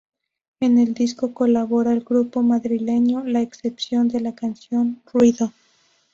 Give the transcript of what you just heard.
En el disco colabora el grupo madrileño La Excepción en la canción ""Ruido"".